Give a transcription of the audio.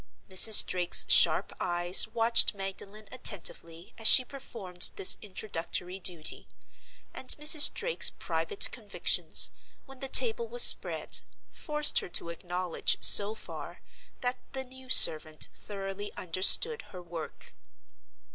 Mrs. Drake's sharp eyes watched Magdalen attentively as she performed this introductory duty; and Mrs. Drake's private convictions, when the table was spread, forced her to acknowledge, so far, that the new servant thoroughly understood her work.